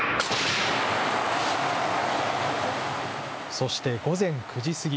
そして午前９時過ぎ。